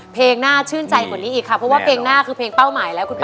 น่าชื่นใจกว่านี้อีกค่ะเพราะว่าเพลงหน้าคือเพลงเป้าหมายแล้วคุณพ่อ